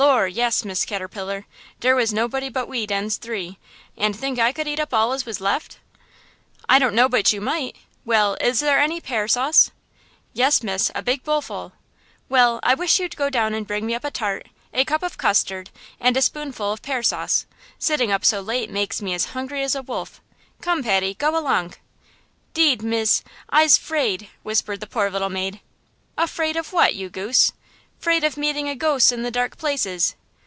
"Lor', yes, Miss Caterpillar; dere was nobody but we dens three, and think I could eat up all as was left?" "I don't know but you might! Well, is there any pear sauce?" "Yes, miss, a big bowl full." "Well, I wish you'd go down and bring me up a tart, a cup of custard and a spoonful of pear sauce. Sitting up so late makes me as hungry as a wolf! Come, Patty, go along!" "Deed, miss, I'se 'fraid!" whimpered the little maid. "Afraid of what, you goose?" "'Fraid of meeting of a ghose in the dark places!"